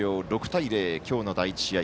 ６対０、今日の第１試合